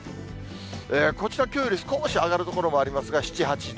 こちら、きょうより少し下がる所ありますが、７、８度。